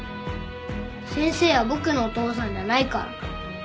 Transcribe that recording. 先生は僕のお父さんじゃないから。